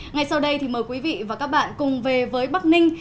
ngay sau đây thì mời quý vị và các bạn cùng về với bắc ninh